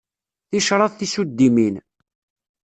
Ticraḍ tisuddimin.